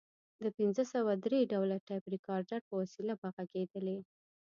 د پنځه سوه درې ډوله ټیپ ریکارډر په وسیله به غږېدلې.